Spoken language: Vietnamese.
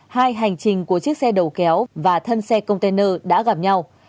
hai hành trình của chiếc xe đầu kéo và thân xe container đã gặp nhau